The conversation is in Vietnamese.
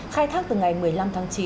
khai thác từ ngày một mươi năm tháng chín